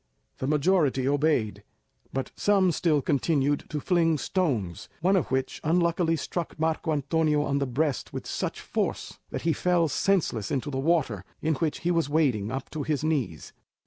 The majority obeyed, but some still continued to fling stones, one of which unluckily struck Marco Antonio on the breast with such force that he fell senseless into the water, in which he was wading up to his knees.